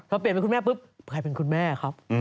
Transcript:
พอเปลี่ยนเป็นคุณแม่ปุ๊บใครเป็นคุณแม่ครับ